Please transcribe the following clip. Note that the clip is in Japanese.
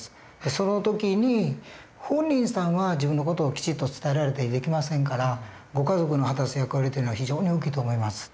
その時に本人さんは自分の事をきちっと伝えられたりできませんからご家族の果たす役割というのは非常に大きいと思います。